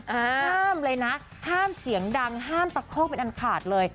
ห้ามเลยนะห้ามเสียงดังห้ามตะคอกเป็นอันขาดเลย